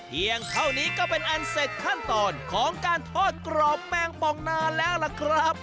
เพียงเท่านี้ก็เป็นอันเสร็จขั้นตอนของการทอดกรอบแมงปองนานแล้วล่ะครับ